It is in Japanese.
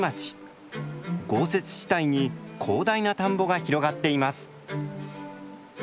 豪雪地帯に広大な田んぼが広がっています。